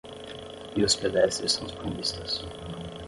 E os pedestres são os banhistas